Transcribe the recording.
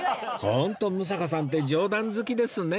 ホント六平さんって冗談好きですね